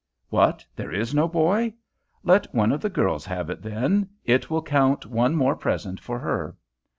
What, there is no boy? Let one of the girls have it then; it will count one more present for her."